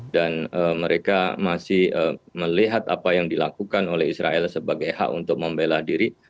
dan mereka masih melihat apa yang dilakukan oleh israel sebagai hak untuk membela diri